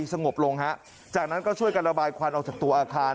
สงบลงฮะจากนั้นก็ช่วยกันระบายควันออกจากตัวอาคาร